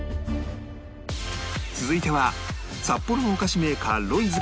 続いては札幌のお菓子メーカー ＲＯＹＣＥ